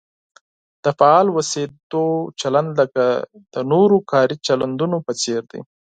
د فعال اوسېدو چلند لکه د نورو کاري چلندونو په څېر دی.